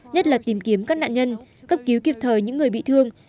nhất là tìm kiếm các nạn nhân cấp cứu kịp thời những người bị thương